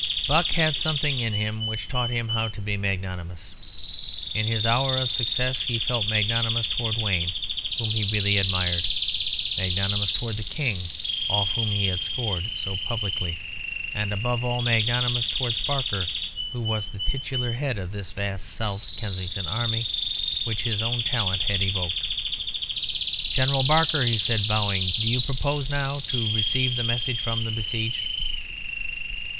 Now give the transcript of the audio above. Buck had something in him which taught him how to be magnanimous. In his hour of success he felt magnanimous towards Wayne, whom he really admired; magnanimous towards the King, off whom he had scored so publicly; and, above all, magnanimous towards Barker, who was the titular leader of this vast South Kensington army, which his own talent had evoked. "General Barker," he said, bowing, "do you propose now to receive the message from the besieged?"